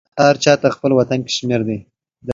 هر چاته خپل وطن کشمیر دی